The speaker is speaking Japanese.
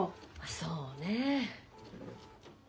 そうねえ。